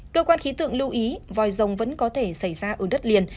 cơ quan khí tượng lưu ý vòi rồng vẫn có thể xảy ra ở đất liền